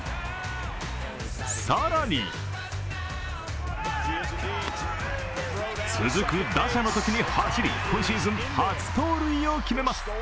更に続く打者のときに走り、今シーズン初盗塁を決めます。